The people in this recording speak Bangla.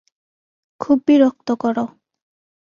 খুব বিরক্ত কর।